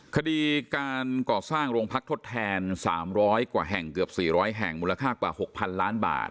คดีการก่อสร้างโรงพักทดแทน๓๐๐กว่าแห่งเกือบ๔๐๐แห่งมูลค่ากว่า๖๐๐๐ล้านบาท